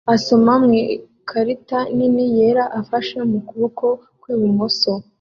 asoma mu ikarita nini yera afashe mu kuboko kwi bumoso